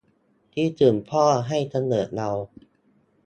คิดถึงพ่อ ให้กำเนิดเรา